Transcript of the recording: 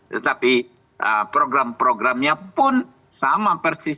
tetapi program programnya pun sama persis